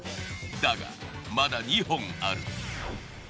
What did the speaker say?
だがまだ２本ある。